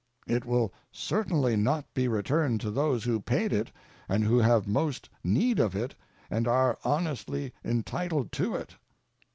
It will certainly not be returned to those who paid it and who have most need of it and are honestly entitled to it.